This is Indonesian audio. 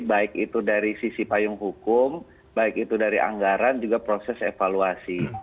baik itu dari sisi payung hukum baik itu dari anggaran juga proses evaluasi